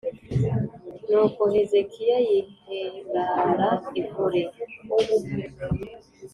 Nuko hezekiya yiherara ivure